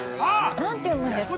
何て読むんですか。